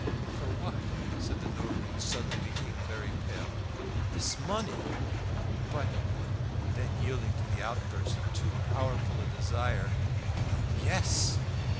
"For what?" said the notary, who suddenly became very pale. "This money." "But " Then, yielding to the outburst of too powerful a desire, "Well, yes!"